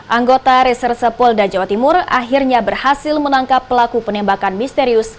anggota reserse polda jawa timur akhirnya berhasil menangkap pelaku penembakan misterius